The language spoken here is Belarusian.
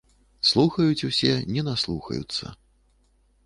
Слухаюць усе, не наслухаюцца.